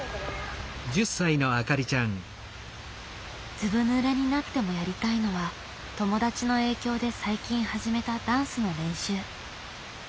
ずぶぬれになってもやりたいのは友達の影響で最近始めたダンスの練習。